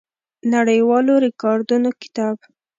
نړیوالو ریکارډونو کتاب